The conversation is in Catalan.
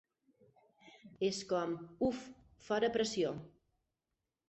És com: 'Uf! Fora pressió'.